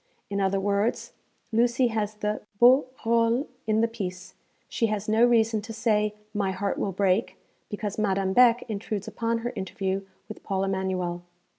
In other words, Lucy has the beau rôle in the piece, she has no reason to say, 'My heart will break,' because Madame Beck intrudes upon her interview with Paul Emanuel.